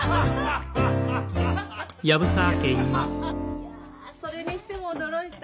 いやそれにしても驚いた。